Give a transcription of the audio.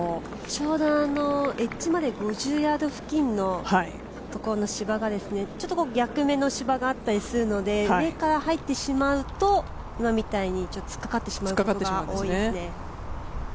ちょうどエッジまで５０ヤード付近の芝がちょっと逆目の芝があったりするので、上から入ってしまうと今みたいに突っかかってしまうことが多いですね。